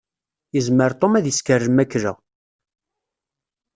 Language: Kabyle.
Yezmer Tom ad isker lmakla.